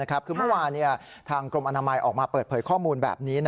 คือเมื่อวานทางกรมอนามัยออกมาเปิดเผยข้อมูลแบบนี้